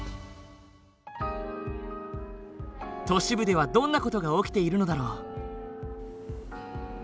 都市部ではどんな事が起きているのだろう？